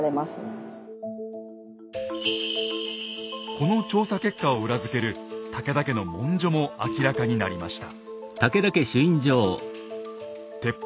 この調査結果を裏付ける武田家の文書も明らかになりました。